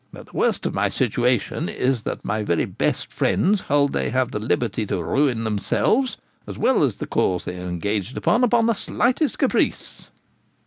But the worst of my situation is, that my very best friends hold they have liberty to ruin themselves, as well as the cause they are engaged in, upon the slightest caprice.'